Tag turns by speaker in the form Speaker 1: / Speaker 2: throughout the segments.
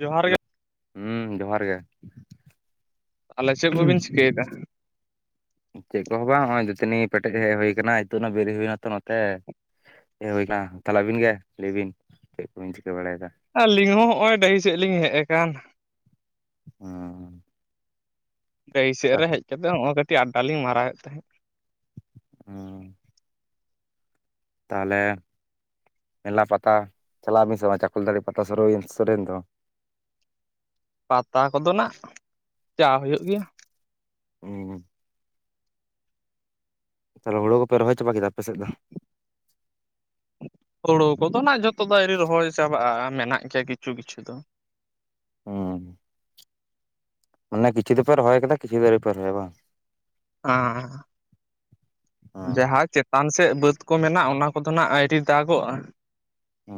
Speaker 1: ᱡᱚᱦᱟᱨ ᱜᱮ
Speaker 2: ᱮᱞᱳ ᱦᱩᱸ ᱡᱚᱦᱟᱨ ᱜᱮ᱾
Speaker 1: ᱟᱞᱮ ᱪᱮᱜ ᱠᱚᱵᱤᱱ ᱪᱤᱠᱟᱹᱭ ᱫᱟ?
Speaker 2: ᱪᱮᱜ ᱠᱚᱦᱚᱸ ᱵᱟᱝ ᱱᱚᱜ-ᱚᱭ ᱫᱟᱹᱛᱟᱹᱱᱤ ᱯᱮᱴᱮᱡ ᱦᱮᱡ ᱦᱩᱭ ᱟᱠᱟᱱᱟ ᱤᱛᱳ ᱟᱱᱮ ᱵᱮᱨᱤᱜ ᱦᱩᱭᱱᱟ ᱛᱚ ᱱᱚᱛᱮ᱾ ᱦᱮ ᱦᱩᱭᱱᱟ ᱛᱟᱦᱚᱞᱮ ᱟᱵᱤᱱ ᱜᱮ ᱞᱟᱹᱭ ᱵᱤᱱ ᱪᱮᱜ ᱠᱚᱵᱤᱱ ᱪᱤᱠᱟᱹ ᱵᱟᱲᱟᱭ ᱮᱫᱟ?
Speaker 1: ᱟᱹᱞᱤᱧ ᱦᱚᱸ ᱦᱚᱜ-ᱚᱭ ᱰᱟᱹᱦᱤ ᱥᱮᱜ ᱞᱤᱧ ᱦᱮᱡ ᱟᱠᱟᱱ᱾
Speaker 2: ᱚᱸ
Speaker 1: ᱰᱟᱹᱦᱤ ᱥᱮᱫ ᱨᱮ ᱦᱮᱡ ᱠᱟᱛᱮ ᱱᱚᱜ-ᱚᱭ ᱠᱟᱹᱴᱤᱡ ᱟᱰᱰᱟ ᱞᱤᱧ ᱢᱟᱨᱟᱣᱮᱫ ᱛᱟᱦᱮᱸᱫ ᱾
Speaker 2: ᱦᱮᱸ ᱛᱟᱦᱚᱞᱮ ᱢᱮᱞᱟ ᱯᱟᱛᱟ ᱪᱟᱞᱟᱜ ᱟᱹᱵᱤᱱ ᱥᱮ ᱪᱟᱠᱚᱞ ᱫᱟᱲᱮ ᱯᱟᱛᱟ ᱥᱩᱨᱩᱭᱤᱱ ᱥᱮᱱ ᱫᱚ ᱾
Speaker 1: ᱯᱟᱛᱟ ᱠᱚᱫᱚ ᱱᱟᱜ ᱪᱟ ᱦᱩᱭᱩᱜ ᱜᱮᱭᱟ ᱜᱮᱭᱟ
Speaker 2: ᱦᱩᱸ ᱛᱟᱦᱚᱞᱮ ᱦᱩᱲᱩ ᱠᱚᱯᱮ ᱨᱚᱦᱚᱭ ᱪᱟᱵᱟ ᱠᱮᱫᱟ ᱟᱯᱮᱥᱮᱫ ᱫᱚ ᱾
Speaker 1: ᱦᱩᱲᱩ ᱠᱚᱫᱚ ᱱᱟᱜ ᱡᱷᱚᱛᱚ ᱫᱚ ᱮᱨᱤ ᱨᱚᱦᱚᱭ ᱪᱟᱵᱟᱜ-ᱟ ᱢᱮᱱᱟᱜ ᱜᱮᱭᱟ ᱠᱤᱪᱷᱩ ᱠᱤᱪᱷᱩ ᱫᱚ ᱾
Speaker 2: ᱚ ᱢᱟᱱᱮ ᱠᱤᱪᱷᱩ ᱫᱚᱯᱮ ᱨᱚᱦᱚᱭᱟ ᱟᱠᱟᱫᱟ ᱠᱤᱪᱷᱩ ᱫᱚ ᱟᱣᱨᱤ ᱯᱮ ᱨᱚᱦᱚᱭ ᱵᱟ ᱾
Speaker 1: ᱚ
Speaker 2: ᱦᱩᱸ
Speaker 1: ᱡᱟᱦᱟᱸ ᱪᱮᱛᱟᱱ ᱥᱮᱫ ᱵᱟᱹᱫᱽ ᱠᱚ ᱢᱮᱱᱟᱜ-ᱟ ᱚᱱᱟ ᱠᱚᱫᱚ ᱦᱟᱸᱜ ᱟᱹᱰᱤ ᱫᱟᱜᱚᱜ-ᱟ ᱾
Speaker 2: ᱚ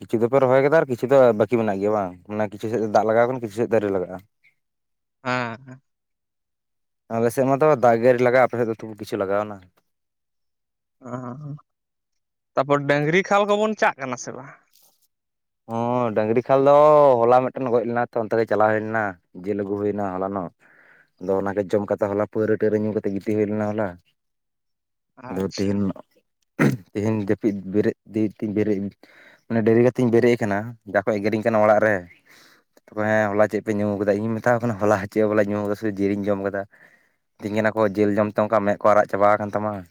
Speaker 2: ᱠᱤᱪᱷᱩ ᱫᱚᱯᱮ ᱨᱚᱦᱚᱭ ᱟᱠᱟᱫᱟ ᱟᱨ ᱠᱤᱪᱷᱩ ᱫᱚ ᱵᱟᱠᱤ ᱢᱮᱱᱟᱜ ᱜᱮᱭᱟ ᱵᱟᱝ ᱠᱤᱪᱷᱩ ᱥᱮᱫ ᱫᱟᱜ ᱞᱟᱜᱟᱣ ᱠᱟᱱᱟ ᱠᱤᱪᱷᱩ ᱥᱮᱫ ᱫᱚ ᱟᱨᱤ ᱞᱟᱜᱟᱜ-ᱟ ᱾
Speaker 1: ᱦᱮᱸ
Speaker 2: ᱟᱞᱮ ᱥᱮᱫ ᱢᱟ ᱫᱚ ᱫᱟᱜ ᱟᱨᱤ ᱞᱟᱜᱟ-ᱟ ᱟᱯᱮ ᱥᱮᱫ ᱫᱚ ᱛᱩᱵᱷᱩ ᱠᱤᱪᱷᱩ ᱞᱟᱜᱟᱣ ᱮᱱᱟ ᱾
Speaker 1: ᱛᱟᱯᱚᱨ ᱰᱟᱝᱨᱤ ᱠᱷᱟᱞ ᱠᱚᱵᱚᱱ ᱪᱟᱜ ᱠᱟᱱᱟ ᱥᱮ ᱵᱟᱝ ᱾
Speaker 2: ᱰᱟᱹᱝᱨᱤ ᱠᱷᱟᱞ ᱫᱚ ᱦᱚᱞᱟ ᱢᱤᱫᱴᱮᱱ ᱜᱚᱡ ᱞᱮᱱᱟ ᱛᱚ ᱚᱱᱛᱮ ᱜᱮ ᱪᱟᱞᱟᱣ ᱦᱩᱭ ᱞᱮᱱᱟ ᱾ ᱡᱮᱞ ᱟᱜᱩ ᱦᱩᱭᱱᱟ ᱦᱚᱞᱟᱱᱚᱜ ᱾ ᱟᱫᱚ ᱚᱱᱟᱜᱮ ᱡᱚᱢ ᱠᱟᱛᱮ ᱦᱚᱞᱟ ᱯᱟᱹᱣᱟᱹ ᱴᱟᱹᱣᱨᱟᱹ ᱧᱩ ᱠᱟᱛᱮ ᱜᱤᱛᱤᱡ ᱦᱩᱭ ᱞᱮᱱᱟ ᱦᱚᱞᱟ ᱾ ᱟᱫᱚ
Speaker 1: ᱟᱪᱪᱷᱟ
Speaker 2: ᱛᱮᱦᱮᱧ ᱛᱮᱦᱮᱧ ᱡᱟᱹᱯᱤᱫ ᱵᱮᱨᱮᱫ ᱛᱮᱧ ᱵᱮᱨᱮᱫ ᱢᱟᱱᱮ ᱰᱮᱨᱤ ᱵᱮᱨᱮᱫ ᱟᱠᱟᱱᱟ ᱡᱟ ᱠᱚ ᱮᱜᱮᱨᱤᱧ ᱠᱟᱱᱟ ᱚᱲᱟᱜ ᱨᱮ ᱾ ᱛᱚᱠᱷᱚᱱ ᱦᱮ ᱦᱚᱞᱟ ᱪᱮᱫ ᱯᱮ ᱧᱩ ᱠᱟᱫᱟ ᱤᱧ ᱢᱮᱛᱟᱣ ᱠᱟᱱᱟ ᱦᱚᱞᱟ ᱪᱮᱫ ᱦᱚᱸ ᱵᱟᱞᱮ ᱧᱩ ᱠᱟᱫᱟ ᱥᱩᱫᱷᱩ ᱡᱤᱞᱤᱧ ᱡᱚᱢ ᱠᱟᱫᱟ ᱾ ᱡᱮᱞ ᱡᱚᱢ ᱛᱮ ᱚᱱᱠᱟ ᱢᱮᱫ ᱠᱚ ᱟᱨᱟᱜ ᱪᱟᱵᱟ ᱟᱠᱟᱱ ᱛᱟᱢᱟ ᱾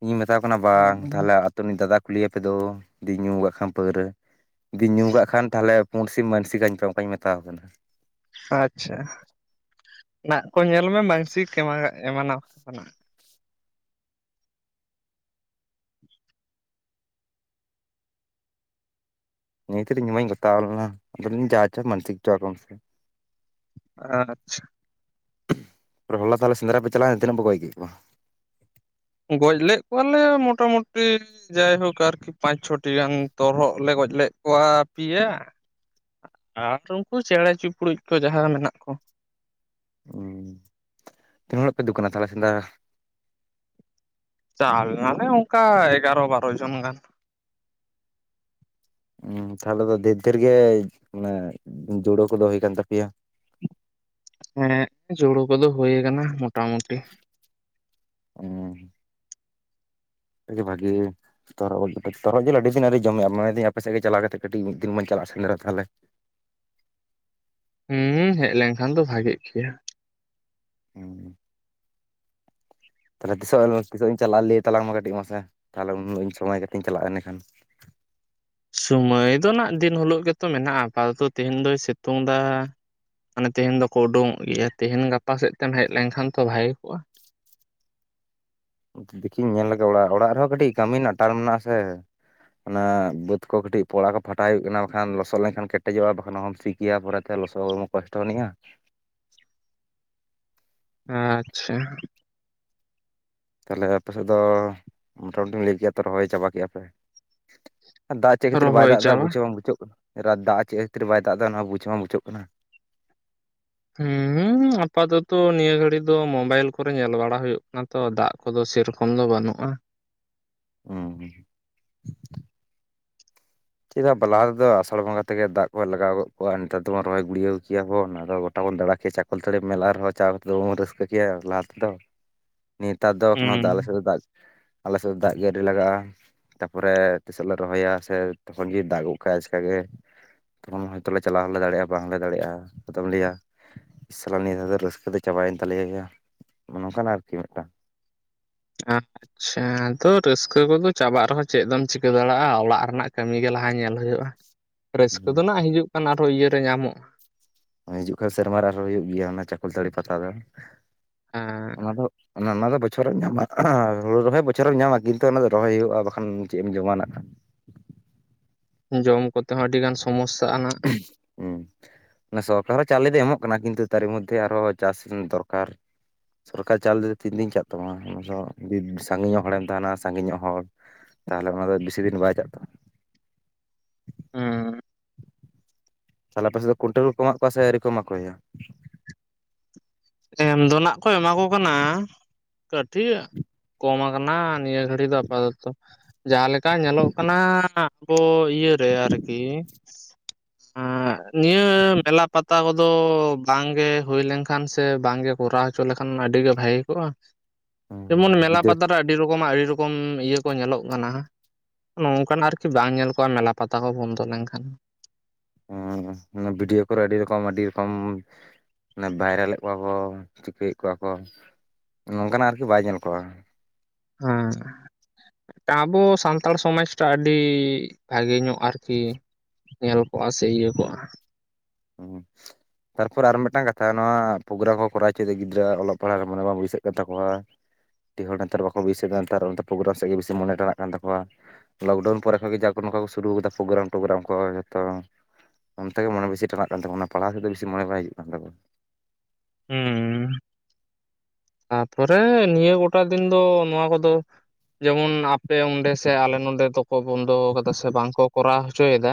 Speaker 2: ᱤᱧᱤᱧ ᱢᱮᱛᱟᱣᱟ ᱠᱟᱱᱟ ᱵᱟᱝ ᱛᱟᱦᱚᱞᱮ ᱟᱛᱳ ᱨᱤᱱᱤᱡ ᱫᱟᱫᱟ ᱠᱩᱞᱤᱭᱮᱯᱮ ᱫᱳ ᱧᱩ ᱠᱟᱜ ᱠᱷᱟᱱ ᱯᱟᱹᱣᱨᱟᱹ ᱡᱩᱫᱤᱧ ᱧᱩ ᱠᱟᱜ ᱠᱷᱟᱱ ᱛᱟᱦᱚᱞᱮ ᱯᱩᱱᱰ ᱥᱤᱢ ᱢᱟᱹᱱᱥᱤᱠ ᱟᱹᱧ ᱚᱱᱠᱟᱧ ᱢᱮᱛᱟᱣ ᱠᱟᱱᱟ ᱾
Speaker 1: ᱟᱪᱪᱷᱟ ᱱᱟᱜᱠᱚ ᱧᱮᱞ ᱢᱮ ᱢᱟᱱᱥᱤᱠ ᱮᱢᱟᱱᱟᱢᱟᱠᱚ ᱱᱟᱜ ᱾
Speaker 2: ᱤᱧ ᱢᱟᱧ ᱜᱚᱛᱟᱣ ᱞᱮᱱᱟ ᱟᱫᱚ ᱢᱟᱱᱥᱤᱠ ᱦᱚᱪᱚᱣᱟ ᱠᱚ ᱢᱮ ᱥᱮ ᱾
Speaker 1: ᱟᱪᱪᱷᱟ
Speaker 2: ᱦᱚᱞᱟ ᱛᱟᱦᱚᱞᱮ ᱥᱮᱸᱫᱽᱨᱟ ᱯᱮ ᱪᱟᱞᱟᱣ ᱮᱱ ᱛᱤᱱᱟᱹᱜ ᱯᱮ ᱜᱚᱡ ᱠᱮᱫ ᱠᱟᱣᱟ?
Speaker 1: ᱜᱚᱡ ᱞᱮᱫ ᱠᱚᱣᱟᱞᱮ ᱢᱚᱴᱟ ᱢᱩᱴᱤ ᱡᱟᱭᱦᱳᱠ ᱟᱨᱠᱤ ᱯᱟᱸᱪ ᱪᱷᱚᱴᱤ ᱜᱟᱱ ᱛᱚᱨᱦᱚᱫ ᱞᱮ ᱜᱚᱡ ᱞᱮᱫ ᱠᱚᱣᱟ ᱯᱮᱭᱟ ᱾ ᱟᱨ ᱩᱱᱠᱩ ᱪᱮᱬᱮ ᱪᱤᱯᱲᱩᱡ ᱠᱚ ᱡᱟᱦᱟᱸ ᱢᱮᱱᱟᱜ ᱠᱚ ᱾
Speaker 2: ᱦᱩ ᱛᱤᱱ ᱦᱚᱲ ᱯᱮ ᱫᱩᱠᱟᱹᱱᱟ ᱛᱟᱦᱚᱞᱮ ᱥᱮᱸᱫᱽᱲᱟ?
Speaker 1: ᱪᱟ ᱮᱱᱟᱞᱮ ᱚᱱᱠᱟ ᱮᱜᱟᱨᱚ ᱵᱟᱨᱚ ᱡᱚᱱ ᱜᱟᱱ ᱾
Speaker 2: ᱛᱟᱦᱚᱞᱮ ᱫᱚ ᱫᱷᱮᱨ ᱫᱷᱮᱨ ᱜᱮ ᱡᱳᱲᱳ ᱠᱚᱫᱚ ᱦᱩᱭ ᱠᱟᱱ ᱛᱟᱯᱮᱭᱟ ᱾
Speaker 1: ᱦᱮᱸ ᱡᱳᱲᱳ ᱠᱚᱫᱚ ᱦᱳᱭ ᱟᱠᱟᱱᱟ ᱢᱚᱴᱟ ᱢᱩᱴᱤ
Speaker 2: ᱚ ᱟᱹᱰᱤ ᱵᱷᱟᱜᱮ [unintelligible] ᱛᱚᱨᱦᱚᱫ ᱡᱤᱞ ᱟᱹᱰᱤ ᱫᱤᱱ ᱟᱹᱣᱨᱤ [unintelligible] ᱢᱟᱱ ᱫᱮᱧ ᱟᱯᱮ ᱥᱮᱫ ᱜᱮ ᱪᱟᱞᱟᱣ ᱠᱟᱛᱮ ᱠᱟᱹᱴᱤᱡ ᱢᱤᱫ ᱫᱤᱱ ᱵᱚᱱ ᱪᱟᱞᱟᱜ-ᱟ ᱥᱮᱫᱽᱨᱟ ᱛᱟᱦᱚᱞᱮ ᱾
Speaker 1: ᱦᱩᱸ ᱦᱩᱸ ᱦᱮᱡ ᱞᱮᱱᱠᱷᱟᱱ ᱫᱚ ᱵᱷᱟᱜᱮᱜ ᱜᱮᱭᱟ ᱾
Speaker 2: ᱦᱩᱸ ᱛᱟᱦᱚᱞᱮ ᱛᱤᱥᱚᱜ ᱛᱤᱥᱚᱜ ᱤᱧ ᱪᱟᱞᱟᱜᱼᱟ ᱞᱟᱹᱭ ᱛᱟᱞᱟᱝ ᱢᱮ ᱠᱟᱹᱴᱤᱡ ᱢᱟᱥ ᱛᱟᱦᱮ ᱩᱱ ᱦᱤᱞᱳᱜ ᱤᱧ ᱥᱚᱢᱚᱭ ᱠᱟᱛᱮᱜ ᱤᱧ ᱪᱟᱞᱟᱜᱼᱟ ᱮᱸᱱᱮᱠᱷᱟᱱ?
Speaker 1: ᱥᱚᱢᱚᱭ ᱫᱚ ᱱᱟᱜ ᱫᱤᱱ ᱦᱤᱞᱳᱜ ᱜᱮᱛᱚ ᱢᱮᱱᱟᱜᱼᱟ ᱟᱯᱟᱫᱚᱛᱚ ᱛᱮᱦᱮᱧ ᱫᱚᱭ ᱥᱤᱛᱩᱝ ᱮᱫᱟ ᱾ ᱢᱟᱱᱮ ᱛᱮᱦᱮᱧ ᱫᱚᱠᱚ ᱩᱰᱳᱝᱚᱜ ᱜᱮᱭᱟ ᱛᱮᱦᱤᱧ ᱜᱟᱯᱟ ᱥᱮᱫ ᱛᱮᱢ ᱦᱮᱡ ᱞᱮᱱᱠᱷᱟᱱ ᱛᱚ ᱵᱷᱟᱜ ᱠᱚᱜᱼᱟ ᱾
Speaker 2: ᱫᱮᱠᱷᱤ ᱤᱧ ᱧᱮᱞ ᱞᱮᱜᱮ ᱚᱲᱟᱜ ᱚᱲᱟᱜ ᱨᱮᱦᱚᱸ ᱠᱟᱹᱴᱤᱡ ᱠᱟᱹᱢᱤ ᱨᱮᱱᱟᱜ ᱴᱟᱨ ᱢᱮᱱᱟᱜᱼᱟ ᱥᱮ ᱾ ᱚᱱᱟ ᱵᱟᱹᱫᱽ ᱠᱚ ᱠᱟᱹᱴᱤᱡ ᱯᱚᱲᱟ ᱠᱚ ᱯᱷᱟᱴᱟ ᱦᱩᱭᱩᱜ ᱠᱟᱱᱟ ᱵᱟᱠᱷᱟᱱ ᱞᱚᱥᱚᱫ ᱞᱮᱱᱠᱷᱟᱱ ᱠᱮᱴᱮᱡᱚᱜᱼᱟ ᱵᱟᱠᱷᱟᱱ ᱚᱦᱚᱢ ᱥᱤ ᱾ ᱯᱮᱭᱟ ᱯᱚᱨᱮᱛᱮ ᱞᱚᱥᱚᱫ ᱠᱚᱥᱴᱚᱱᱤᱡᱼᱟ ᱾
Speaker 1: ᱟᱪᱪᱷᱟ
Speaker 2: ᱛᱟᱦᱚᱞᱮ ᱟᱯᱮ ᱥᱮᱫ ᱫᱚ ᱢᱳᱴᱟᱢᱩᱴᱤ ᱞᱟᱹᱭ ᱠᱮᱜᱟ ᱛᱚ ᱨᱚᱦᱚᱭ ᱪᱟᱵᱟ ᱠᱮᱫᱮᱜᱼᱟ ᱯᱮ ᱾ ᱫᱟᱜ ᱪᱮᱫ ᱠᱷᱟᱹᱛᱤᱨ ᱵᱟᱭ
Speaker 1: ᱨᱚᱦᱚᱭ
Speaker 2: ᱫᱟᱜ ᱫᱟ
Speaker 1: ᱪᱟᱵᱟ
Speaker 2: ᱵᱩᱡᱷᱟᱹᱣ ᱦᱚᱵᱟᱝ ᱵᱩᱡᱷᱟᱹᱜ ᱠᱟᱱᱟ᱾ ᱫᱟᱜ ᱪᱮᱫ ᱠᱷᱟ. ᱛᱤᱨ ᱵᱟᱭ ᱫᱟᱜ ᱫᱟ ᱱᱚᱣᱟ ᱵᱩᱡᱷᱟᱹᱣ ᱦᱚᱵᱟᱝ ᱵᱩᱡᱷᱟᱹᱜ ᱠᱟᱱᱟ᱾
Speaker 1: ᱦᱩᱸ ᱦᱩ ᱟᱯᱟᱫᱚᱛᱚ ᱱᱤᱭᱟᱹ ᱜᱷᱟᱹᱲᱤ ᱫᱚ ᱢᱳᱵᱟᱭᱤᱞ ᱠᱚᱨᱮ ᱧᱮᱞ ᱵᱟᱲᱟ ᱦᱩᱭᱩᱜ ᱠᱟᱱᱟ ᱛᱚ ᱫᱟᱜ ᱠᱚᱫᱚ ᱥᱮᱨᱚᱠᱚᱢ ᱫᱚ ᱵᱟᱹᱱᱩᱜᱼᱟ
Speaker 2: [unintelligible] ᱪᱮᱫᱟᱜ ᱵᱟ ᱞᱟᱦᱟ ᱛᱮᱫᱚ ᱟᱥᱟᱲ ᱵᱚᱸᱜᱟ ᱛᱮᱜᱮ ᱫᱟᱜ ᱠᱚ ᱞᱟᱜᱟᱣ ᱜᱚᱜ ᱠᱚᱣᱟ ᱱᱮᱛᱟᱨ ᱫᱚᱵᱚᱱ ᱨᱚᱦᱚᱭ ᱜᱩᱲᱭᱟᱹᱣ ᱠᱮᱜᱟ ᱵᱚᱱ ᱟᱫᱚ ᱜᱚᱴᱟ ᱵᱚᱱ ᱫᱟᱲᱟ [unintelligible] [unintelligible] ᱪᱟᱠᱚᱞᱛᱟᱲᱤ ᱢᱮᱞᱟ ᱨᱮᱦᱚᱸ ᱪᱟᱣ ᱠᱟᱛᱮ ᱫᱚ [unintelligible] ᱨᱟᱹᱥᱠᱟᱹ ᱠᱮᱭᱟ ᱞᱟᱦᱟ ᱛᱮᱫᱚ ᱱᱮᱛᱟᱨ ᱫᱚ ᱮᱠᱷᱚᱱᱳ ᱟᱞᱮ
Speaker 1: ᱦᱩᱸ
Speaker 2: ᱥᱮᱫ ᱫᱚ ᱫᱟᱜ ᱟᱞᱮ ᱥᱮᱜ ᱫᱚ ᱫᱟᱜ ᱜᱮ ᱟᱣᱨᱤ ᱞᱟᱜᱟᱜᱼᱟ ᱛᱟᱯᱚᱨᱮ ᱛᱤᱥᱚᱜ ᱞᱮ ᱨᱚᱦᱚᱭᱟ ᱥᱮ ᱛᱚᱠᱷᱚᱱ ᱜᱮ ᱫᱟᱜ ᱜᱚ ᱠᱟ ᱟᱭ ᱟᱪᱠᱟ ᱜᱮ ᱛᱚᱠᱷᱚᱱ ᱦᱚᱭᱛᱚ ᱞᱮ ᱪᱟᱞᱟᱣ ᱦᱚᱸᱞᱮ ᱫᱟᱲᱮᱭᱟᱜᱼᱟ ᱵᱟᱝᱞᱮ ᱫᱟᱲᱮᱭᱟᱜᱼᱟ ᱟᱫᱚᱢ ᱞᱟᱹᱭᱟ ᱥᱟᱞᱟ ᱱᱤᱭᱟᱹ ᱫᱷᱟᱹᱣ ᱫᱚ ᱨᱟᱹᱥᱠᱟᱹ ᱫᱚ ᱪᱟᱵᱟᱭᱮᱱ ᱛᱟᱞᱮᱭᱟᱭᱟ ᱱᱚᱝᱠᱟᱱᱟᱜ ᱟᱨᱠᱤ ᱢᱤᱫᱴᱟᱝ
Speaker 1: [unintelligible] [unintelligible] ᱛᱚ ᱨᱟᱹᱥᱠᱟᱹ ᱠᱚᱫᱚ ᱪᱟᱵᱟᱜ ᱨᱮᱦᱚᱸ ᱪᱮᱫ ᱫᱚᱢ ᱪᱤᱠᱟᱹ ᱫᱟᱲᱮᱭᱟᱜᱼᱟ ᱚᱞᱟᱜ ᱨᱮᱱᱟᱜ ᱠᱟᱹᱢᱤ ᱜᱮ ᱞᱟᱦᱟ ᱧᱮᱞ ᱦᱩᱭᱩᱜᱼᱟ ᱨᱟᱹᱥᱠᱟᱹ ᱫᱚ ᱱᱟᱜ ᱦᱤᱡᱩᱜ ᱠᱟᱱ ᱟᱨᱦᱚᱸ ᱤᱭᱟᱹᱨᱮ ᱧᱟᱢᱚᱜᱼᱟ
Speaker 2: ᱦᱤᱡᱩᱜ ᱠᱟᱱ ᱥᱮᱨᱢᱟ ᱟᱨᱦᱚᱸ ᱦᱩᱭᱩᱜ ᱜᱮᱭᱟ ᱚᱱᱟ ᱪᱟᱠᱚᱞᱛᱟᱹᱲᱤ ᱯᱟᱛᱟ ᱫᱚ
Speaker 1: ᱦᱮᱸ
Speaker 2: ᱚᱱᱟ ᱫᱚ ᱚᱱᱟ ᱚᱱᱟ- [unintelligible] ᱵᱚᱪᱷᱚᱨᱮᱢ ᱧᱟᱢᱟ ᱦᱩᱲᱩ ᱨᱚᱦᱚᱭ [unintelligible] ᱦᱩᱨᱩ ᱵᱚᱪᱷᱚᱨᱮᱢ ᱧᱟᱢᱟ ᱠᱤᱱᱛᱩ ᱚᱱᱟ ᱫᱚ ᱨᱚᱦᱚᱭ ᱦᱩᱭᱩᱜᱼᱟ ᱵᱟᱠᱷᱟᱱ ᱪᱮᱫ ᱮᱢ ᱡᱚᱢᱟ ᱱᱟᱜᱷ-
Speaker 1: ᱡᱚᱢ ᱠᱚᱛᱮ ᱦᱚᱸ ᱟᱹᱰᱤ ᱜᱟᱱ ᱥᱚᱢᱚᱥᱥᱟ ᱟ ᱱᱟᱜ-
Speaker 2: [unintelligible] ᱦᱮᱸ ᱥᱚᱨᱠᱟᱨ ᱦᱚᱸ ᱪᱟᱣᱞᱮ ᱫᱚᱭ ᱮᱢᱚᱜ ᱠᱟᱱᱟ ᱠᱤᱱᱛᱩ ᱛᱟᱨᱮ ᱢᱚᱫᱽᱫᱷᱮ ᱟᱨᱦᱚᱸ ᱪᱟᱥ ᱫᱚᱨᱠᱟᱨ᱾ ᱥᱚᱨᱠᱟᱨ ᱟᱜ ᱪᱟᱣᱞᱮ ᱫᱚ ᱛᱤᱱ ᱫᱤᱱ ᱪᱟᱜ ᱛᱟᱢᱟ ᱚᱱᱟ ᱫᱚ [unintelligible] ᱥᱟᱺᱜᱤ ᱧᱚᱜ ᱦᱚᱲᱮᱢ ᱛᱟᱦᱮᱱᱟ ᱥᱟᱺᱜᱤ ᱧᱚᱜ ᱦᱚᱲ ᱛᱟᱦᱚᱞᱮ ᱚᱱᱟ ᱫᱚ ᱵᱮᱥᱤ ᱫᱤᱱ ᱵᱟᱭ ᱪᱟᱜ ᱛᱟᱢᱟ᱾
Speaker 1: ᱦᱩᱸ
Speaker 2: ᱛᱟᱦᱚᱞᱮ ᱟᱯᱮ ᱥᱮᱫ ᱫᱚ ᱠᱳᱱᱴᱳᱞ ᱠᱚᱠᱚ ᱮᱢᱟᱜ ᱠᱚᱣᱟ ᱥᱮ ᱟᱹᱣᱨᱤ ᱠᱚᱣᱟ ᱭᱟ᱾
Speaker 1: ᱮᱢ ᱫᱚ ᱱᱟᱜᱷ ᱠᱚ ᱮᱢᱟ ᱠᱚ ᱠᱟᱱᱟ ᱠᱟᱹᱴᱤᱡ ᱠᱚᱢ ᱟᱠᱟᱱᱟ ᱱᱤᱭᱟᱹ ᱜᱷᱟᱲᱤ ᱫᱚ ᱟᱯᱟᱚᱛᱚ ᱡᱟᱦᱟᱸ ᱞᱮᱠᱟ ᱧᱮᱞᱚᱜ ᱠᱟᱱᱟ ᱟᱵᱚ [unintelligible] ᱤᱭᱟᱹ ᱨᱮ ᱟᱨᱠᱤ [unintelligible] ᱱᱤᱭᱟᱹ ᱢᱮᱞᱟ ᱯᱟᱛᱟ ᱠᱚᱫᱚ ᱵᱟᱝᱜᱮ ᱦᱩᱭ ᱞᱮᱱᱠᱷᱟᱱ ᱥᱮ ᱥᱮ ᱵᱟᱝᱜᱮ ᱠᱚᱨᱟᱣ ᱦᱚᱪᱚ ᱞᱮᱠᱷᱟᱱ ᱟᱹᱰᱤ ᱜᱮ ᱵᱷᱟᱹᱜᱮ ᱠᱚᱜᱼᱟ ᱡᱮᱢᱚᱱ ᱢᱮᱞᱟ
Speaker 2: ᱜᱤᱫᱟᱹᱨ
Speaker 1: ᱯᱟᱛᱟ ᱨᱮ ᱟᱹᱰᱤ ᱨᱚᱠᱚᱢᱟᱜ ᱟᱹᱰᱤ ᱨᱚᱠᱚᱢ ᱤᱭᱟᱹ ᱠᱚ ᱧᱮᱞᱚᱜ ᱠᱟᱱᱟ ᱱᱚᱝᱠᱟᱱᱟᱜ ᱟᱨᱠᱤ ᱵᱟᱝ ᱧᱮᱞ ᱠᱚᱜᱼᱟ ᱢᱮᱞᱟ ᱯᱟᱛᱟ ᱠᱚ ᱵᱚᱱᱫᱚ ᱞᱮᱱᱠᱷᱟᱱ᱾
Speaker 2: [unintelligible] ᱵᱷᱤᱰᱤᱭᱳ ᱠᱚᱨᱮ ᱟᱹᱰᱤ ᱨᱚᱠᱚᱢ ᱟᱹᱰᱤ ᱨᱚᱠᱚᱢ ᱚᱱᱮ ᱵᱷᱟᱭᱨᱟᱞᱮᱫ ᱠᱚᱣᱟ ᱠᱚ ᱪᱤᱠᱟᱹᱭᱮᱫ ᱠᱚᱣᱟ ᱠᱚ ᱱᱚᱝᱠᱟᱱᱟᱜ ᱟᱨᱠᱤ ᱵᱟᱭ ᱧᱮᱞ ᱠᱚᱣᱟ
Speaker 1: ᱚᱸ ᱟᱵᱚ ᱥᱟᱱᱛᱟᱲ ᱥᱚᱢᱟᱡᱽᱴᱟᱜ ᱟᱹᱰᱤ ᱵᱷᱟᱜᱮ ᱧᱚᱜ ᱟᱨᱠᱤ ᱧᱮᱞ ᱠᱚᱜᱼᱟ ᱥᱮ ᱤᱭᱟᱹ ᱠᱚᱜᱼᱟ
Speaker 2: [unintelligible] ᱛᱟᱨᱯᱚᱨ ᱟᱨ ᱢᱤᱫᱴᱟᱝ ᱠᱟᱛᱷᱟ ᱱᱚᱣᱟ ᱯᱨᱳᱜᱨᱟᱢ ᱠᱚ ᱠᱚᱨᱟᱣ ᱦᱚᱪᱚᱭᱮᱫᱟ ᱜᱤᱫᱽᱨᱟᱹᱟᱜ ᱚᱞᱚᱜ ᱯᱟᱲᱦᱟᱜ ᱨᱮ ᱢᱚᱱᱮ ᱵᱟᱝ ᱵᱟᱹᱭᱥᱟᱹᱜ ᱠᱟᱱ ᱛᱟᱠᱚᱣᱟ᱾ ᱟᱹᱰᱤ ᱦᱚᱲ ᱱᱮᱛᱟᱨ ᱵᱟᱠᱚ [unintelligible] ᱠᱟᱱᱟ ᱱᱮᱛᱟᱨ ᱚᱱᱛᱮ ᱯᱨᱳᱜᱨᱟᱢ ᱥᱮᱫ ᱜᱮ ᱵᱤᱥᱤ ᱢᱚᱱᱮ ᱴᱟᱱᱟᱜ ᱠᱟᱱ ᱛᱟᱠᱚᱣᱟ᱾ ᱞᱚᱠᱰᱟᱣᱩᱱ ᱯᱚᱨᱮ ᱠᱷᱚᱱ ᱜᱮ ᱡᱟ ᱱᱚᱝᱠᱟ ᱠᱚ ᱥᱩᱨᱩ ᱠᱟᱫᱟ ᱯᱨᱳᱜᱨᱟᱢ ᱴᱳᱚᱜᱜᱨᱟᱢ ᱠᱚ ᱡᱚᱛᱚ ᱚᱱᱛᱮ ᱜᱮ ᱢᱚᱱᱮ ᱵᱮᱥᱤ ᱴᱟᱱᱟᱜ ᱠᱟᱱ ᱛᱟᱠᱚᱣᱟ ᱚᱱᱟ ᱯᱟᱲᱦᱟᱣ ᱨᱮᱜᱮ ᱢᱚᱱᱮ ᱵᱟᱝ ᱵᱟᱹᱭᱥᱟᱹᱜ ᱠᱟᱱ ᱛᱟᱠᱚᱣᱟ᱾
Speaker 1: ᱦᱩᱸ [unintelligible] ᱱᱤᱭᱟᱹ ᱜᱚᱴᱟ ᱫᱤᱱ ᱫᱚ ᱱᱚᱣᱟ ᱠᱚᱫᱚ ᱡᱮᱢᱚᱱ ᱟᱯᱮ ᱚᱸᱰᱮ ᱥᱮ ᱟᱞᱮ ᱱᱚᱰᱮ ᱫᱚᱠᱚ ᱵᱚᱱᱫᱚ ᱠᱟᱫᱟ ᱥᱮ ᱵᱟᱝᱠᱚ ᱠᱚᱨᱟᱣ ᱦᱚᱪᱚᱭᱮᱫᱟ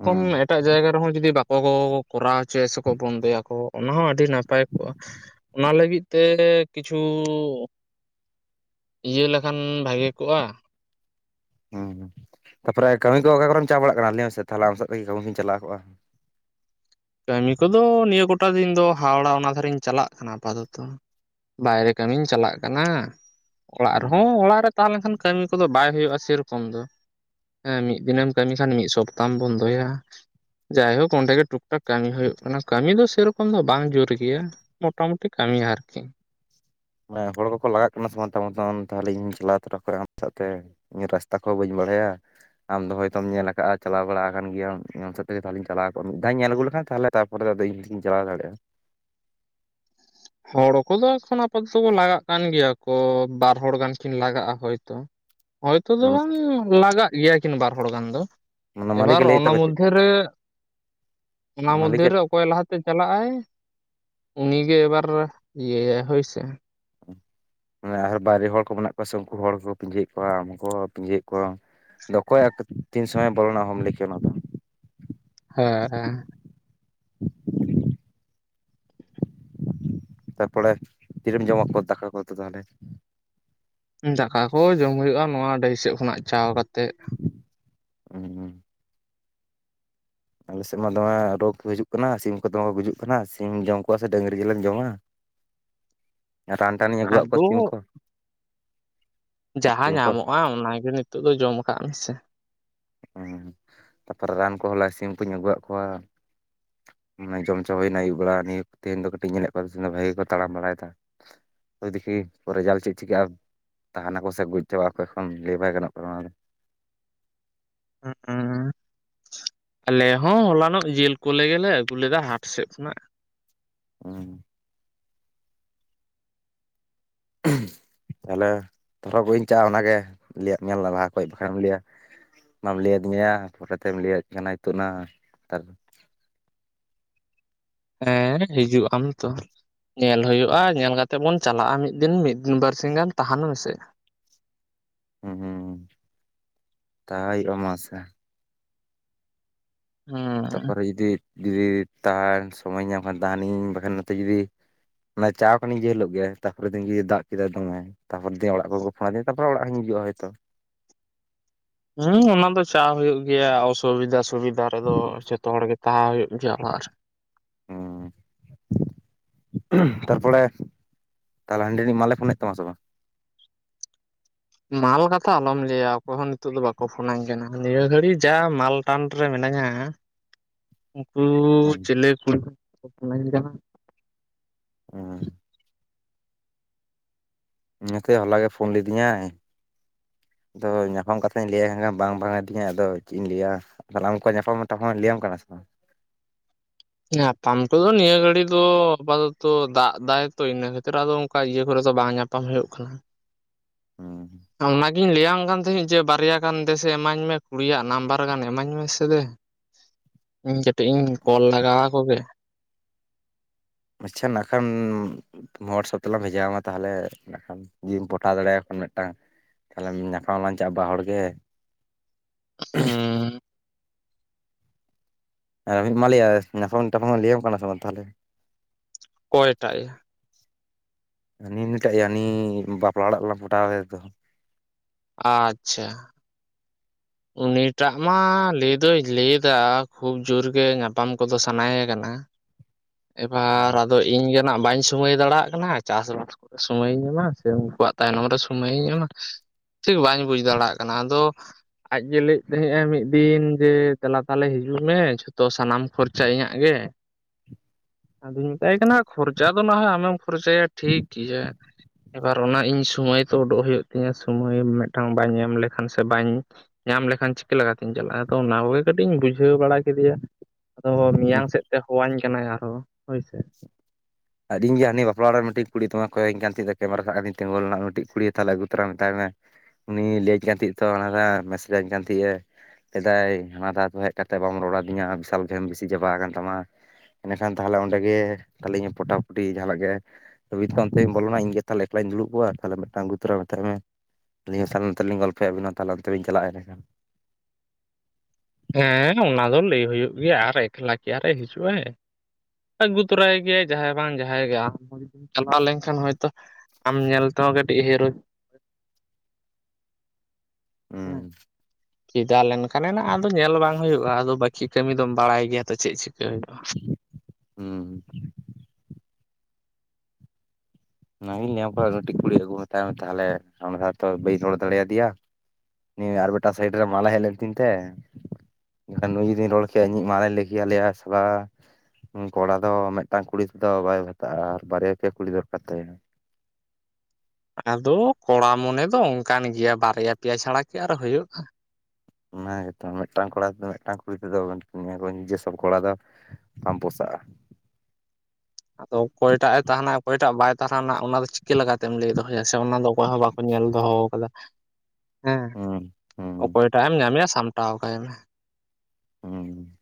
Speaker 2: ᱦᱩᱸ
Speaker 1: ᱮᱴᱟᱜ ᱡᱟᱭᱜᱟ ᱨᱮᱦᱚᱸ ᱡᱩᱫᱤ [unintelligible] ᱠᱚ ᱠᱚ ᱠᱚᱨᱟᱣ ᱦᱚᱪᱚᱭᱟ ᱥᱮᱠᱚ ᱵᱚᱱᱫᱚᱮᱭᱟᱠᱚ ᱚᱱᱟ ᱦᱚᱸ ᱟᱹᱰᱤ ᱱᱟᱯᱟᱭ ᱠᱚᱜᱼᱟ ᱚᱱᱟ ᱞᱟᱹᱜᱤᱫ ᱛᱮ ᱠᱤᱪᱷᱩ ᱤᱭᱟᱹ ᱞᱮᱠᱷᱟᱱ ᱵᱷᱟᱜᱮ ᱠᱚᱜᱼᱟ᱾
Speaker 2: ᱦᱮᱸ ᱛᱟᱯᱚᱨᱮ ᱠᱟᱹᱢᱤ ᱠᱚ ᱚᱠᱟ ᱠᱚᱨᱮᱢ ᱪᱟ ᱵᱟᱲᱟᱜ ᱠᱟᱱᱟ ᱞᱟᱹᱭ ᱢᱮ ᱥᱮ ᱛᱟᱦᱚᱞᱮ ᱟᱢ ᱥᱟᱶ ᱛᱮᱜᱮ ᱠᱟᱹᱢᱤ ᱠᱩᱧ ᱪᱟ ᱠᱚᱜᱼᱟ᱾
Speaker 1: ᱠᱟᱹᱢᱤ ᱠᱚᱫᱚ ᱱᱤᱭᱟᱹ ᱜᱚᱴᱟ ᱫᱤᱱ ᱫᱚ ᱦᱟᱣᱲᱟ ᱚᱱᱟ ᱫᱷᱟᱨᱮᱧ ᱪᱟᱞᱟᱜ ᱠᱟᱱᱟ ᱟᱯᱟᱛᱚᱛᱚ᱾ ᱵᱟᱭᱨᱮ ᱠᱟᱹᱢᱤᱧ ᱪᱟᱞᱟᱜ ᱠᱟᱱᱟ ᱚᱲᱟᱜ ᱨᱮᱦᱚᱸ ᱚᱲᱟᱜ ᱨᱮ᱾ [unintelligible] ᱞᱮᱱ ᱠᱷᱟᱱ ᱠᱟᱹᱢᱤ ᱠᱚᱫᱚ ᱵᱟᱭ ᱦᱩᱭᱩᱜᱼᱟ ᱥᱮᱨᱚᱠᱚᱢ ᱫᱚ᱾ ᱦᱮᱸ ᱢᱤᱫ ᱫᱤᱱᱮᱢ ᱠᱟᱹᱢᱤ ᱠᱷᱟᱱ ᱢᱤᱫ ᱥᱚᱯᱛᱟᱢ ᱵᱚᱱᱫᱚᱭᱟ ᱡᱟᱭᱦᱳᱠ ᱚᱸᱰᱮ ᱜᱮ ᱴᱩ ᱠᱟᱹᱢᱤ ᱦᱩᱭᱩᱜ ᱠᱟᱱᱟ ᱠᱟᱹᱢᱤ ᱫᱚ ᱥᱮᱨᱚᱠᱚᱢ ᱫᱚ ᱵᱟᱝ ᱡᱳᱨ ᱜᱮᱭᱟ ᱢᱚᱴᱟ ᱢᱩᱴᱤ ᱠᱟᱹᱢᱤ ᱟᱨᱠᱤ᱾
Speaker 2: [unintelligible] ᱦᱚᱲ ᱠᱚᱠᱚ ᱞᱟᱜᱟᱜ ᱠᱟᱱᱟ ᱥᱮ ᱵᱟᱝ ᱛᱟ ᱢᱚᱛᱚᱱ ᱛᱟᱦᱚᱞᱮᱧ ᱪᱟᱞᱟᱣ ᱛᱚᱨᱟ ᱠᱚᱜ-ᱟ ᱟᱢ ᱥᱟᱶᱛᱮ ᱤᱧ ᱨᱟᱥᱛᱟ ᱠᱚᱦᱚᱸ ᱵᱟᱹᱧ ᱵᱟᱲᱟᱭᱟ᱾ ᱟᱢ ᱫᱚ ᱦᱚᱭ ᱛᱚᱢ ᱧᱮᱞ ᱟᱠᱟᱫ-ᱟ ᱪᱟᱞᱟᱣ ᱵᱟᱲᱟ ᱟᱠᱟᱱ ᱜᱮᱭᱟᱢ ᱟᱢ ᱥᱟᱶ ᱛᱮᱜᱮᱧ ᱪᱟᱞᱟᱣ ᱠᱚᱜ-ᱟ ᱢᱤᱫ ᱫᱷᱟᱣ ᱧᱮᱞ ᱟᱹᱜᱩ ᱞᱮᱠᱷᱟᱱ ᱛᱟᱦᱞᱮ ᱛᱟᱯᱚᱨᱮ ᱟᱫᱚ ᱤᱧ ᱛᱤᱜᱤᱧ ᱧᱟᱞᱟᱣ ᱫᱟᱲᱮᱭᱟᱜ-ᱟ᱾
Speaker 1: ᱦᱚᱲ ᱠᱚᱫᱚ ᱮᱠᱷᱚᱱ ᱟᱯᱟᱛᱚᱛᱚ ᱠᱚ ᱞᱟᱜᱟᱜ ᱠᱟᱱ ᱜᱮᱭᱟ ᱠᱚ ᱵᱟᱨ ᱦᱚᱲ ᱜᱟᱱ ᱠᱤᱱ ᱞᱟᱜᱟᱜ-ᱟ ᱦᱳᱭᱛᱚ᱾ ᱦᱳᱭᱛᱳ ᱫᱚ ᱵᱟᱝ ᱞᱟᱜᱟᱜ ᱜᱮᱭᱟ ᱠᱤᱱ ᱵᱟᱨ ᱦᱚᱲ ᱜᱟᱱ ᱫᱚ᱾
Speaker 2: ᱚᱱᱟ ᱢᱟᱹᱞᱤᱠᱮ
Speaker 1: ᱮᱵᱟᱨ
Speaker 2: ᱞᱟᱹᱭᱮᱫ
Speaker 1: ᱚᱱᱟ
Speaker 2: ᱛᱟᱯᱮ
Speaker 1: ᱢᱚᱫᱽᱫᱷᱮ ᱨᱮ ᱚᱱᱟ
Speaker 2: ᱢᱟᱹᱞᱤᱠᱮ
Speaker 1: ᱢᱚᱫᱽᱫᱷᱮᱨᱮ ᱚᱠᱚᱭ ᱞᱟᱦᱟ ᱛᱮ ᱪᱟᱞᱟᱜ-ᱟᱭ ᱩᱱᱤᱜᱮ ᱮᱵᱟᱨ ᱤᱭᱟᱹᱟᱭ ᱦᱳᱭᱥᱮ
Speaker 2: ᱢᱟᱱᱮ ᱟᱨ ᱵᱟᱦᱨᱮ ᱦᱚᱲ ᱠᱚ ᱢᱮᱱᱟᱜ ᱠᱚᱣᱟ ᱥᱮ ᱩᱱᱠᱩ ᱦᱚᱲᱠᱚ ᱯᱤᱸᱡᱟᱹᱭᱮᱫ ᱠᱚᱣᱟ ᱟᱢ ᱦᱚᱠᱚ ᱯᱤᱸᱡᱟᱹᱭᱮᱫ ᱠᱚᱣᱟ ᱫᱚ ᱚᱠᱚᱭ ᱛᱤᱱ ᱥᱚᱢᱚᱭᱮ ᱵᱚᱞᱚᱱᱟ ᱚᱦᱚᱢ ᱞᱟᱹᱭ ᱠᱮᱭᱟ ᱚᱱᱟ ᱫᱚ
Speaker 1: ᱦᱮᱸ ᱦᱮᱸ
Speaker 2: ᱛᱟᱨᱯᱚᱲᱮ ᱛᱤᱨᱮᱢ ᱡᱚᱢᱟ ᱠᱚ ᱫᱟᱠᱟ ᱠᱚᱫᱚ ᱛᱟᱦᱚᱞᱮ᱾
Speaker 1: ᱫᱟᱠᱟ ᱠᱚ ᱡᱚᱢ ᱦᱳᱭᱳᱜ-ᱟ ᱱᱚᱣᱟ ᱰᱟᱹᱦᱤ ᱥᱮᱫ ᱠᱷᱚᱱᱟᱜ ᱪᱟᱣ ᱠᱟᱛᱮᱜ
Speaker 2: [unintelligible] ᱟᱞᱮ ᱥᱮᱫ ᱢᱟ ᱫᱚᱢᱮ ᱨᱳᱜᱽ ᱦᱤᱡᱩᱜ ᱠᱟᱱᱟ ᱥᱤᱢ ᱠᱚ ᱫᱚᱢᱮ ᱠᱚ ᱜᱩᱡᱩᱜ ᱠᱟᱱᱟ ᱥᱤᱢ ᱡᱚᱢ ᱠᱚᱣᱟ ᱥᱮ ᱰᱟᱹᱝᱨᱤ ᱡᱮᱞ ᱮᱢ ᱡᱚᱢᱟ ᱨᱟᱱ ᱴᱟᱱ ᱤᱧ ᱟᱹᱜᱩᱣᱟᱜ ᱠᱚᱣᱟ
Speaker 1: ᱟᱫᱚ
Speaker 2: ᱥᱤᱢ ᱠᱚ
Speaker 1: ᱡᱟᱸᱦᱟ
Speaker 2: ᱥᱤᱢ ᱠᱚ
Speaker 1: ᱧᱟᱢᱚᱜ-ᱟ ᱚᱱᱟ ᱜᱮ ᱱᱤᱛᱚᱜ ᱫᱚ ᱡᱚᱢ ᱠᱟᱜ ᱢᱮ ᱥᱮ
Speaker 2: ᱛᱟᱯᱚᱨ ᱨᱟᱱ ᱠᱚ ᱦᱚᱞᱟ ᱥᱤᱢ ᱠᱩᱧ ᱟᱹᱜᱩᱣᱟᱫ ᱠᱚᱣᱟ ᱡᱚᱢ ᱦᱚᱸᱪᱚ ᱦᱩᱭ ᱱᱟ ᱟᱹᱭᱩᱵ ᱵᱮᱲᱟ ᱱᱤᱭᱟᱹ ᱛᱤᱦᱤᱧ ᱫᱚ ᱠᱟᱹᱴᱤᱡ ᱤᱧ ᱧᱮᱞ ᱮᱫ ᱠᱚᱣᱟ ᱵᱷᱟᱜᱮ ᱜᱮ ᱠᱚ ᱛᱟᱲᱟᱢ ᱵᱟᱲᱟᱭ ᱫᱟ ᱫᱮᱠᱷᱤ ᱨᱮᱡᱟᱞ ᱪᱮᱫ ᱪᱤᱠᱟᱹᱜ-ᱟ ᱛᱟᱦᱮᱱ ᱟᱠᱚ ᱥᱮ ᱜᱚᱡ ᱪᱟᱵᱟᱜ-ᱟ ᱟᱠᱚ ᱮᱠᱷᱚᱱ ᱞᱟᱹᱭ ᱵᱟᱭ ᱜᱟᱱᱚᱜ ᱠᱟᱱᱟ ᱚᱱᱟ ᱫᱚ
Speaker 1: ᱦᱩᱸ
Speaker 2: [inaudible]
Speaker 1: ᱟᱞᱮ ᱦᱚᱸ ᱦᱚᱞᱟ ᱱᱚᱜ ᱡᱮᱞ ᱠᱚᱞᱮ ᱜᱮᱞᱮ ᱟᱹᱜᱩ ᱞᱮᱫᱟ ᱦᱟᱴ ᱥᱮᱫ ᱠᱷᱚᱱᱟᱜ᱾
Speaker 2: [unintelligible] ᱛᱟᱦᱞᱮ ᱵᱟᱹᱧ ᱪᱟᱣᱱᱟ ᱚᱱᱟ ᱜᱮ ᱞᱟᱹᱭ ᱟᱫ ᱢᱮᱭᱟ ᱞᱟᱦᱟ ᱠᱷᱚᱡᱽ ᱵᱟᱠᱷᱟᱱ ᱞᱟᱹᱭ-ᱟ ᱵᱟᱢ ᱞᱟᱹᱭ ᱟᱹᱫᱤᱧᱭᱟ ᱯᱚᱨᱮ ᱛᱮᱢ ᱞᱟᱹᱭ ᱟᱹᱧ ᱠᱟᱱᱟ ᱱᱤᱛᱚᱜ ᱱᱟ
Speaker 1: ᱦᱮᱸ ᱦᱤᱡᱩᱜ ᱟᱢ ᱛᱚ ᱧᱮᱞ ᱦᱳᱭᱳᱜ-ᱟ ᱧᱮᱞ ᱠᱟᱛᱮᱜ ᱵᱚᱱ ᱪᱟᱞᱟᱜ-ᱟ ᱢᱤᱫ ᱫᱤᱱ ᱢᱤᱫ ᱫᱤᱱ ᱵᱟᱨᱥᱤ ᱜᱟᱱ ᱛᱟᱦᱮᱱ ᱢᱮᱥᱮ
Speaker 2: ᱦᱩ-ᱦᱩᱻ ᱛᱟᱭ ᱦᱳᱭᱳᱜ-ᱟ ᱢᱟᱥᱮ
Speaker 1: ᱦᱩᱸ
Speaker 2: ᱛᱟᱯᱚᱨᱮ ᱡᱩᱫᱤ ᱡᱩᱫᱤ ᱛᱟᱱ ᱥᱳᱢᱳᱭ ᱤᱧ ᱧᱟᱢ ᱠᱷᱟᱱ ᱫᱟᱱ ᱤᱧ ᱵᱟᱠᱷᱟᱱ ᱱᱚ ᱛᱮ ᱡᱩᱫᱤ ᱚᱱᱟ ᱪᱟ ᱠᱟᱱ ᱤᱧ ᱡᱮ ᱦᱤᱞᱳᱜ ᱜᱮ ᱛᱟᱯᱚᱨᱮ ᱫᱤᱱ ᱫᱟᱜ ᱠᱮᱫᱟᱭ ᱫᱚᱢᱮ ᱛᱟᱯᱚᱨ ᱫᱤᱭᱟᱹ ᱚᱲᱟᱜ ᱠᱚ ᱯᱷᱳᱱ ᱟᱫᱤᱧᱟ ᱛᱟᱯᱚᱨ ᱚᱲᱟᱜ ᱤᱧ ᱦᱤᱡᱩᱜ-ᱟ ᱦᱚᱭ ᱛᱚ
Speaker 1: ᱦᱩᱸ ᱚᱱᱟ ᱫᱚ ᱪᱟ ᱦᱩᱭᱩᱜ ᱜᱮᱭᱟ ᱚᱥᱩᱵᱤᱫᱟ ᱥᱩᱵᱤᱫᱟ ᱨᱮᱫᱚ ᱡᱚᱛᱚ ᱦᱚᱲ ᱜᱮ [unintelligible] ᱜᱮᱭᱟ ᱚᱲᱟᱜ ᱨᱮ
Speaker 2: ᱦᱩᱻ ᱛᱟᱨᱯᱟᱨᱮ ᱛᱟᱦᱞᱮ ᱦᱟᱸᱰᱮ ᱱᱤᱡ ᱢᱟᱞᱞᱮ ᱯᱷᱳᱱ ᱮᱫ‌ ᱛᱟᱢᱟ ᱥᱮ ᱵᱟᱝ
Speaker 1: ᱢᱟᱞ ᱠᱟᱛᱷᱟ ᱟᱞᱚᱢ ᱞᱟᱹᱭ-ᱟ ᱚᱠᱚᱭ ᱦᱚ ᱱᱤᱛᱚᱜ ᱫᱚ ᱵᱟᱠᱚ ᱯᱷᱳᱱᱟᱹᱧ ᱠᱟᱱᱟ ᱱᱤᱭᱟᱹ ᱜᱷᱟᱹᱲᱤᱡ ᱡᱟ ᱢᱟᱞ ᱴᱟᱱ ᱨᱮ ᱢᱮᱱᱤᱧᱟ
Speaker 2: [inaudible]
Speaker 1: ᱩᱱᱠᱩ
Speaker 2: ᱦᱩᱸ
Speaker 1: ᱪᱮᱞᱮ ᱠᱩᱲᱤ ᱦᱚᱸ ᱵᱟᱠᱚ ᱯᱷᱳᱱ ᱤᱧ ᱠᱟᱱᱟ
Speaker 2: [unintelligible] ᱤᱧ ᱦᱚᱸᱛᱚᱭᱟ ᱦᱚᱞᱟᱜᱮ ᱯᱷᱳᱱ ᱞᱤᱫᱤᱧᱟᱭ ᱟᱫᱚ ᱧᱟᱯᱟᱢ ᱠᱟᱛᱷᱟᱧ ᱞᱟᱹᱭ ᱟᱭ ᱠᱷᱟᱱ ᱵᱟᱝ ᱵᱟᱝ ᱟᱫᱤᱧᱟᱭ ᱟᱫᱚ ᱪᱮᱫ ᱤᱧ ᱞᱟᱹᱭ-ᱟ᱾ ᱛᱟᱦᱞᱮ ᱟᱢ ᱠᱚ ᱧᱟᱯᱟᱢ ᱛᱟᱯᱟᱢ ᱞᱟᱹᱭ ᱟᱢ ᱠᱟᱱᱟ ᱥᱮ ᱵᱟᱝ
Speaker 1: ᱧᱟᱸᱯᱟᱢ ᱠᱚ ᱫᱚ ᱱᱤᱭᱟᱹ ᱜᱷᱟᱹᱲᱤ ᱫᱚ ᱟᱯᱟᱛᱛᱚ ᱫᱟᱜ ᱫᱟᱭ ᱛᱚ ᱤᱱᱟᱹ ᱠᱷᱟᱹᱛᱤᱨ ᱟᱫᱚ ᱚᱝᱠᱟ ᱤᱭᱟᱹ ᱠᱚᱨᱮ ᱫᱚ ᱵᱟᱝ ᱧᱟᱯ ᱵᱟᱝ ᱦᱳᱭᱳᱜ ᱠᱟᱱᱟ
Speaker 2: ᱦᱩᱸ
Speaker 1: ᱚᱱᱟ ᱜᱤᱧ ᱞᱟᱹᱭ ᱟᱢ ᱠᱟᱱ ᱛᱟᱦᱮᱸᱫ ᱡᱮ ᱵᱟᱨᱭᱟ ᱜᱟᱱ ᱫᱮᱥᱮ ᱮᱢᱟᱹᱧ ᱢᱮ ᱠᱩᱲᱤᱭ-ᱟᱜ ᱱᱟᱢᱵᱟᱨ ᱜᱟᱱ ᱤᱢᱟᱹᱧ ᱢᱮ ᱥᱮ ᱫᱮ
Speaker 2: [inaudible]
Speaker 1: ᱤᱧ ᱠᱟᱹᱴᱤᱡ ᱤᱧ ᱠᱚᱞ ᱞᱟᱜᱟ ᱟᱠᱚ ᱜᱮ
Speaker 2: ᱟᱪᱪᱷᱟ ᱱᱟᱜᱠᱷᱟᱱ ᱦᱚᱣᱟᱴᱥᱚᱯ ᱛᱮᱞᱟᱝ ᱵᱷᱮᱡᱟ ᱟᱢᱟ ᱛᱟᱦᱚᱞᱮ ᱱᱟᱜ ᱠᱷᱟᱱ ᱡᱩᱫᱤᱢ ᱯᱚᱴᱷᱟᱣ ᱫᱟᱲᱮ ᱠᱷᱟᱱ ᱢᱮᱫ ᱴᱟᱝ ᱛᱟᱦᱞᱮ ᱧᱟᱯᱟᱢ ᱞᱟᱝ ᱪᱟᱜ ᱟ ᱵᱟᱨ ᱦᱚᱲ ᱜᱮ
Speaker 1: ᱦᱩᱸ
Speaker 2: ᱟᱨ ᱟᱡᱤᱡ ᱢᱟᱞ ᱭᱟ ᱧᱟᱯᱟᱢ ᱴᱟᱯᱟᱢ ᱞᱟᱹᱭ ᱟᱢ ᱠᱟᱱᱟ ᱥᱮ ᱵᱟᱝ ᱛᱟᱦᱚᱞᱮ
Speaker 1: ᱚᱠᱚᱭ ᱴᱟᱜ ᱭᱟ
Speaker 2: ᱦᱟᱹᱱᱤ ᱦᱟᱹᱱᱤ ᱴᱟᱜ ᱭᱟ ᱦᱟᱹᱱᱤ ᱵᱟᱯᱞᱟ ᱚᱲᱟᱜ ᱨᱮᱞᱟᱝ ᱯᱚᱴᱟᱣ ᱞᱮᱫᱮ ᱫᱚ
Speaker 1: ᱟᱪᱪᱷᱟ ᱩᱱᱤ ᱴᱟᱜ ᱢᱟ ᱞᱟᱹᱭ ᱫᱚᱭ ᱞᱟᱹᱭ ᱫᱟ ᱠᱷᱩᱵ ᱡᱳᱨ ᱜᱮ ᱧᱟᱯᱟᱢ ᱠᱚᱫᱚ ᱥᱟᱱᱟᱭᱮ ᱠᱟᱱᱟ
Speaker 2: [inaudible]
Speaker 1: ᱮ ᱵᱟᱨ ᱟᱫᱚ ᱤᱧ ᱜᱮ ᱱᱟᱜ ᱵᱟᱹᱧ ᱥᱚᱢᱚᱭ ᱫᱟᱲᱮᱭ-ᱟᱜ ᱠᱟᱱᱟ ᱪᱟᱥ ᱵᱟᱥ ᱠᱚᱨᱮ ᱥᱚᱢᱚᱭ ᱤᱧ ᱮᱢᱟ ᱥᱮ ᱩᱱᱠᱩᱣᱟᱜ ᱛᱟᱭᱱᱚᱢ ᱨᱮ ᱥᱩᱢᱚᱭ ᱤᱧ ᱮᱢᱟ ᱴᱷᱤᱠ ᱵᱟᱹᱧ ᱵᱩᱡ ᱫᱟᱲᱮᱭᱼᱟᱜ ᱠᱟᱱᱟ ᱟᱫᱚ ᱟᱡ ᱜᱮ ᱞᱟᱹᱭ ᱮᱫ ᱛᱟᱦᱮᱸᱜ ᱟᱭ ᱢᱤᱫ ᱫᱤᱱ ᱡᱮ ᱫᱮᱞᱟ ᱛᱟᱦᱚᱞᱮ ᱦᱤᱡᱩᱜ ᱢᱮ ᱡᱷᱚᱛᱚ ᱥᱟᱱᱟᱢ ᱠᱷᱚᱨᱪᱟ ᱤᱧᱟᱹᱜ ᱜᱮ
Speaker 2: [unintelligible]
Speaker 1: ᱟᱫᱩᱧ ᱢᱮᱛᱟᱭ ᱠᱟᱱᱟ ᱠᱷᱚᱨᱪᱟ ᱫᱚ ᱱᱟᱦᱚᱭ ᱟᱢᱮᱢ ᱠᱷᱚᱨᱪᱟᱭᱟ ᱴᱷᱤᱠ ᱜᱮᱭᱟ ᱮᱵᱟᱨ ᱚᱱᱟ ᱤᱧ ᱥᱩᱢᱚᱭ ᱛᱚ ᱩᱰᱩᱠ ᱦᱩᱭᱩᱜ ᱛᱤᱧᱟᱹ ᱥᱢᱚᱭ ᱢᱤᱫᱴᱟᱝ ᱵᱟᱹᱧ ᱮᱢ ᱞᱮᱠᱷᱟᱱ ᱥᱮ ᱵᱟᱹᱧ ᱧᱟᱢ ᱞᱮᱠᱷᱟᱱ ᱪᱤᱠᱟᱹᱛᱤᱧ ᱪᱟᱞᱟᱜᱼᱟ ᱟᱫᱚ ᱚᱱᱟ ᱠᱚᱜᱮ ᱠᱟᱹᱴᱤᱡ ᱤᱧ ᱵᱩᱡᱷᱟᱹᱣ ᱵᱟᱲᱟ ᱠᱮᱫᱮᱭᱟ ᱟᱫᱚ ᱢᱤᱭᱟᱝ ᱥᱮᱫ ᱦᱚᱦᱚ ᱟᱹᱧ ᱠᱟᱱᱟᱭ ᱟᱨᱦᱚᱸ ᱦᱳᱭᱥᱮ
Speaker 2: [unintelligible] ᱟᱨ ᱤᱧ ᱜᱮ ᱦᱟᱱᱤ ᱵᱟᱯᱞᱟ ᱚᱲᱟᱜ ᱨᱮ ᱢᱤᱫᱴᱟᱝ ᱠᱩᱲᱤ ᱫᱚᱢᱮ ᱠᱚᱭᱚᱜ ᱤᱧ ᱠᱟᱱ ᱛᱟᱦᱮᱸᱧ ᱫᱚᱭ ᱠᱮᱢᱮᱨᱟ ᱥᱟᱵ ᱠᱟᱛᱤᱧ ᱛᱤᱜᱩ ᱞᱮᱱᱟ ᱩᱱᱤ ᱴᱤᱡ ᱠᱩᱲᱤ ᱜᱮ ᱛᱟᱦᱚᱞᱮ ᱟᱹᱜᱩ ᱛᱚᱨᱟ ᱢᱮᱛᱟᱭ ᱢᱮ ᱩᱱᱤ ᱞᱟᱹᱭᱟᱹᱧ ᱠᱟᱱ ᱛᱟᱦᱮᱸᱜ ᱛᱚ ᱚᱱᱟ ᱫᱚ ᱢᱮᱥᱮᱡᱧ ᱠᱟᱱ ᱛᱟᱦᱮᱸᱜᱼᱟ ᱥᱮᱫᱟᱭ ᱦᱟᱱᱟ ᱫᱷᱟ ᱫᱚ ᱦᱮᱡ ᱠᱟᱛᱮᱮᱫ ᱵᱟᱢ ᱨᱚᱲᱟ ᱟᱹᱫᱤᱧᱟ ᱵᱤᱥᱟᱞ ᱜᱷᱮᱢ ᱵᱤᱥᱤ ᱪᱟᱵᱟᱟᱣ ᱟᱠᱟᱱ ᱛᱟᱢᱟ ᱮᱸᱰᱮᱠᱷᱟᱱ ᱛᱟᱦᱚᱞᱮ ᱚᱸᱰᱮ ᱜᱮ ᱛᱟᱹᱞᱤᱧᱟ ᱯᱚᱴᱟ ᱯᱩᱴᱤ ᱡᱟᱸᱦᱟ ᱱᱟᱜ ᱜᱮ ᱛᱚᱵᱤ ᱛᱚ ᱚᱱᱛᱮᱧ ᱵᱚᱞᱚᱱᱟ ᱤᱧ ᱜᱮ ᱛᱟᱦᱚᱞᱮ ᱮᱠᱞᱟᱧ ᱫᱩᱲᱩᱵᱠᱚᱜᱼᱟ ᱛᱟᱦᱚᱞᱮ ᱢᱤᱫᱴᱟᱝ ᱟᱜᱩ ᱛᱚᱨᱟ ᱢᱮᱛᱟᱭ ᱢᱮ ᱟᱹᱞᱤᱧ ᱦᱚᱸ ᱛᱟᱦᱚᱞᱮ ᱱᱚᱛᱮ ᱨᱮᱞᱤᱧ ᱥᱢᱛᱮ ᱜᱚᱞᱯᱚᱜᱟ ᱾ ᱟᱵᱮᱱ ᱦᱚ ᱛᱟᱦᱚᱞᱮ ᱚᱱᱛᱮ ᱵᱤᱱ ᱪᱟᱞᱟᱜᱼᱟ ᱮᱰᱮᱠᱷᱟᱱ
Speaker 1: ᱦᱮᱸ ᱚᱱᱟ ᱫᱚ ᱞᱟᱹᱭ ᱦᱩᱭᱩᱜ ᱜᱮᱭᱟ ᱟᱨ ᱮᱠᱞᱟ ᱠᱤ ᱟᱨᱮ ᱦᱤᱡᱩᱜᱼᱟᱭ ᱟᱹᱜᱩ ᱛᱚᱨᱟᱭᱮ ᱜᱮᱭᱟᱭ ᱡᱟᱦᱟᱸᱭ ᱵᱟᱝ ᱡᱟᱦᱟᱸᱭ ᱜᱮ ᱟᱢ ᱦᱚᱢ ᱪᱟᱞᱟᱣ ᱞᱮᱱᱠᱷᱟᱱ ᱦᱚᱭᱛᱚ ᱟᱢ ᱧᱮᱞ ᱛᱮᱦᱚᱸ ᱠᱟᱹᱴᱤᱡ ᱦᱤᱨᱳ
Speaker 2: [unintelligible] ᱦᱩᱸ
Speaker 1: ᱦᱮᱸ ᱯᱷᱤᱫᱟ ᱞᱮᱱᱠᱷᱟᱱᱮ ᱟᱫᱚ ᱧᱮᱞ ᱵᱟᱝ ᱦᱩᱭᱩᱜᱼᱟ ᱟᱫᱚ ᱵᱟᱹᱠᱤ ᱠᱟᱹᱢᱤ ᱫᱚᱢ ᱵᱟᱲᱟᱭ ᱜᱮᱭᱟ ᱛᱚ ᱪᱮᱫ ᱪᱤᱠᱟᱹᱭ ᱦᱩᱭᱩᱜᱼᱟ
Speaker 2: ᱦᱮᱸ ᱚᱱᱟᱜᱤᱧ ᱞᱟᱹᱭᱟᱢ ᱯ ᱢᱤᱫᱴᱤᱡ ᱠᱩᱲᱤ ᱟᱹᱜᱩ ᱢᱮᱛᱟᱭ ᱢᱮ ᱛᱟᱦᱚᱞᱮ ᱚᱱᱟᱸ ᱛᱚ ᱵᱟᱹᱧ ᱨᱚᱲ ᱫᱟᱲᱮᱭᱟᱫᱮᱭᱟ ᱱ ᱟᱨ ᱢᱤᱫᱴᱟᱝ ᱥᱟᱭᱰᱨᱮ ᱢᱞᱟ ᱦᱮᱞᱮᱱ ᱛᱤᱱᱛᱮᱮ ᱮᱱᱠᱷᱟᱱ ᱱᱩᱭ ᱡᱩᱫᱤᱧ ᱨᱚᱲ ᱠᱮᱭᱟ ᱤᱧ ᱢᱟᱞᱮᱧ ᱞᱟᱹᱭ ᱠᱮᱭᱟᱞᱮᱭᱟ ᱥᱮᱵᱟ ᱦ ᱠᱚᱲᱟ ᱫᱚ ᱢᱤᱫᱴᱟᱝ ᱠᱩᱲᱤ ᱫᱚ ᱵᱟᱭ ᱵᱷᱟᱛᱟᱜᱼᱟ ᱟᱨ ᱵᱟᱨᱭᱟ ᱯᱮᱭᱟ ᱠᱩᱲᱤ ᱫᱚ ᱠᱟᱛᱮ
Speaker 1: ᱟᱫᱚ ᱠᱚᱲᱟ ᱢᱚᱱᱮ ᱫᱚ ᱚᱱᱠᱟᱱ ᱜᱮᱭᱟ ᱵᱟᱨᱭᱟ ᱯᱮᱭᱟ ᱪᱷᱟᱲᱟ ᱠᱤ ᱟᱨ ᱦᱳᱭᱳᱜ-ᱟ᱾
Speaker 2: ᱚᱱᱟ ᱜᱮᱛᱚ ᱢᱤᱫᱴᱟᱝ ᱠᱚᱲᱟ ᱛᱮᱫᱚ ᱢᱤᱫᱴᱟᱝ ᱠᱩᱲᱤ ᱛᱮᱫᱚ ᱱᱤᱡᱮ ᱥᱚᱵ ᱠᱚᱲᱟ ᱫᱚ ᱵᱟᱢ ᱯᱚᱥᱟᱜ-ᱟ
Speaker 1: ᱟᱫᱚ ᱚᱠᱚᱭᱴᱟᱜ ᱮ ᱛᱟᱦᱮᱱᱟ ᱚᱠᱚᱭᱴᱟᱜ ᱴᱟᱜ ᱵᱟᱭ ᱛᱟᱦᱮᱱᱟ ᱚᱱᱟ ᱫᱚ ᱪᱤᱠᱟᱹ ᱞᱮᱠᱟᱛᱮᱢ ᱞᱟᱹᱭ ᱫᱚᱦᱚᱭᱟ ᱥᱮ ᱚᱱᱟ ᱫᱚ ᱚᱠᱚᱭ ᱦᱚᱸ ᱵᱟᱠᱚ ᱧᱮᱞ ᱫᱚᱦᱚ ᱠᱟᱫᱟ ᱦᱮᱸ
Speaker 2: ᱦᱩᱸ ᱦᱩᱸ
Speaker 1: ᱚᱠᱚᱭᱴᱟᱜ ᱮᱢ ᱧᱟᱢᱮᱭᱟ ᱥᱟᱢᱴᱟᱣ ᱠᱟᱭᱢᱮ
Speaker 2: ᱦᱩᱸ,